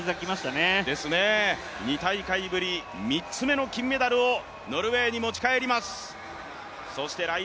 ２大会ぶり、３つ目の金メダルをノルウェーに持ち帰ります。